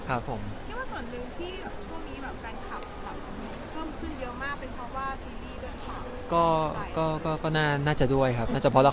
คิดว่าส่วนนึงที่แบบพวกมีแบบแฟนคลับแบบเข้มขึ้นเยอะมากเป็นกเนาะว่าซีรี่ส์เดินขาม